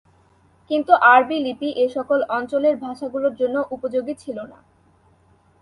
কিন্তু আরবি লিপি এসকল অঞ্চলের ভাষাগুলোর জন্য উপযোগী ছিল না।